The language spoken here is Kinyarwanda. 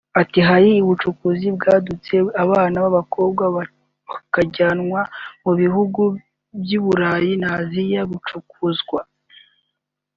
Ati “Hari ubucuruzi bwadutse abana b’abakobwa bakajyanwa mu bihugu by’uburayi na Asiya gucuruzwa